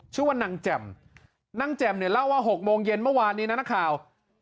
ชื่อว่านางแจ่มนางแจ่มเนี่ยเล่าว่า๖โมงเย็นเมื่อวานนี้นะนักข่าว